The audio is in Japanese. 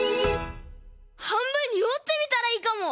はんぶんにおってみたらいいかも！